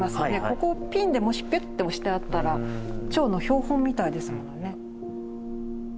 ここをピンでもしピッて押してあったらチョウの標本みたいですものね。